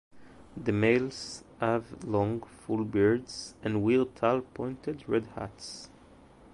The males have long, full beards and wear tall, pointed red hats.